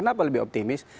kenapa lebih optimis